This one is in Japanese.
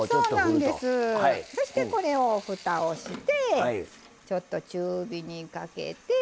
そして、ふたをしてちょっと中火にかけて。